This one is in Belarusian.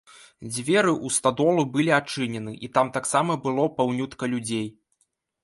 Дзверы ў стадолу былі адчынены, і там таксама было паўнютка людзей.